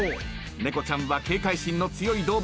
猫ちゃんは警戒心の強い動物。